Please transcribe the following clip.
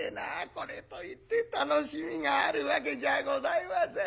これといって楽しみがあるわけじゃございません。